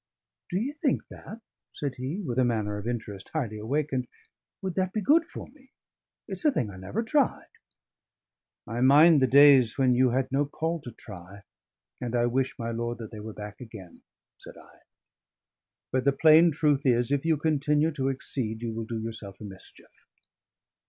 "Do ye think that?" said he, with a manner of interest highly awakened. "Would that be good for me? It's a thing I never tried." "I mind the days when you had no call to try, and I wish, my lord, that they were back again," said I. "But the plain truth is, if you continue to exceed, you will do yourself a mischief."